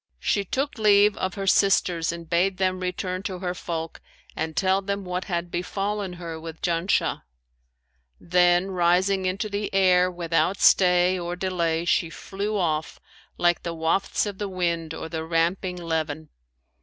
She took leave of her sisters and bade them return to her folk and tell them what had befallen her with Janshah; then, rising into the air without stay or delay she flew off, like the wafts of the wind or the ramping leven.